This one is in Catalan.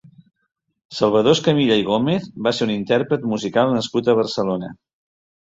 Salvador Escamilla i Gómez va ser un intérpret musical nascut a Barcelona.